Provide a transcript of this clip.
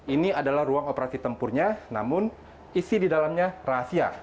ini adalah ruang operasi tempurnya namun isi di dalamnya rahasia